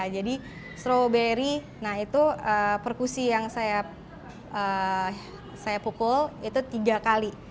jadi strawberry nah itu perkusi yang saya pukul itu tiga kali